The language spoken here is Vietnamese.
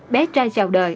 bé trai chào đời